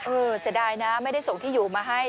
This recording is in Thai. เสียดายนะไม่ได้ส่งที่อยู่มาให้